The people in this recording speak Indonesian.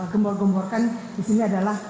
gembor gemborkan disini adalah